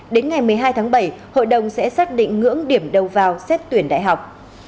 đến ngày một mươi hai tháng bảy hội đồng sẽ xác định ngưỡng điểm đầu vào xét tuyển đại học